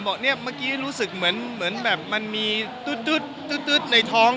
บอกเนี่ยเมื่อกี้รู้สึกเหมือนแบบมันมีตึ๊ดในท้อง